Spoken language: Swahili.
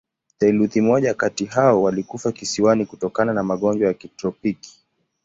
Theluji moja kati hao walikufa kisiwani kutokana na magonjwa ya kitropiki.